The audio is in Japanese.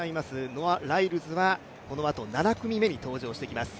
ノア・ライルズはこのあと７組目に登場してきます。